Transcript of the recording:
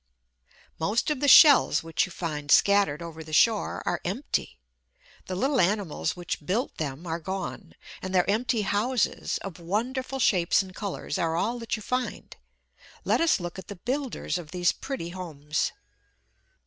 Most of the shells which you find scattered over the shore are empty. The little animals which built them are gone; and their empty houses, of wonderful shapes and colours, are all that you find. Let us look at the builders of these pretty homes.